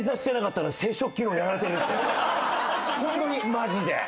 マジで。